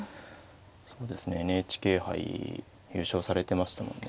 そうですねＮＨＫ杯優勝されてましたもんね。